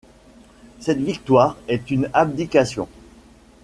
Cette victoire est une abdication.